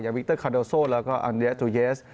อย่างวิกเตอร์คาเดอร์โซแล้วก็อันเดรัสทูเยส